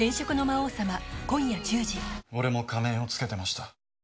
俺も仮面をつけてました。